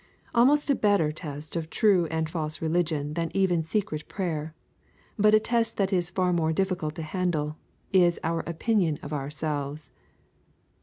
Almost a better test of true and false religion than even secret prayer, but a test that is far more difficult to handle, is our opinion of ourselves.